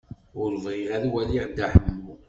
Ur bɣiɣ ad waliɣ Dda Ḥemmu.